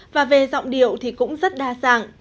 và về giọng điệu thì cũng rất đa dạng